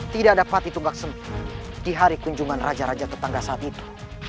tidak ada pati tunggak semi di hari kunjungan raja raja tetangga saat itu